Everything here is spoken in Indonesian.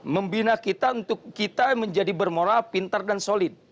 membina kita untuk kita menjadi bermoral pintar dan solid